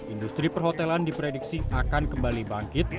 industri perhotelan diprediksi akan kembali bangkit